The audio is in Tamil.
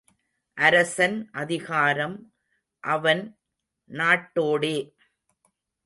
அரசன் அதிகாரம் அவன் நாட்டோடே.